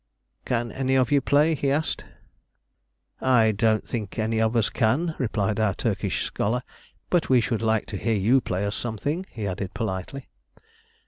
"Can any of you play?" he asked. "I don't think any of us can," replied our Turkish scholar. "But we should like to hear you play us something," he added politely.